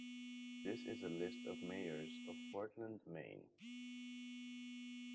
This is a list of mayors of Portland, Maine.